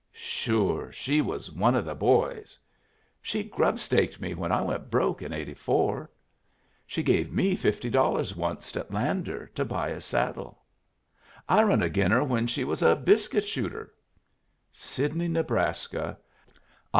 "Sure! She was one of the boys." "She grub staked me when I went broke in '84." "She gave me fifty dollars onced at Lander, to buy a saddle." "I run agin her when she was a biscuit shooter." "Sidney, Nebraska.